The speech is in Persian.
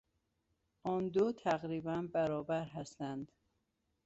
آن دو تقریبا برابر هستند.